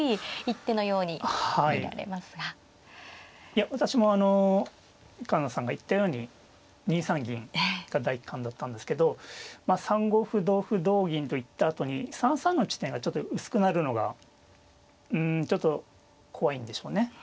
いや私もあの環那さんが言ったように２三銀が第一感だったんですけど３五歩同歩同銀と行ったあとに３三の地点がちょっと薄くなるのがうんちょっと怖いんでしょうね。